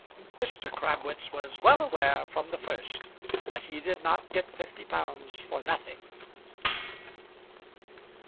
Mr. Crabwitz was well aware, from the first, that he did not get fifty pounds for nothing.